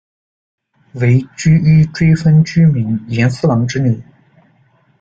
为驹込追分居民彦四郎之女。